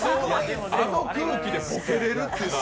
あの空気でボケれるっていうのは。